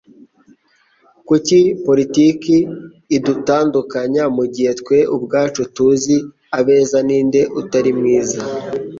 Kuki politiki idutandukanya, mugihe twe ubwacu tuzi abeza ninde utari mwiza?